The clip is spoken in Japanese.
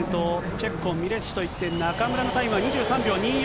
チェッコン、ミレッシといって、中村のタイムは２３秒２４。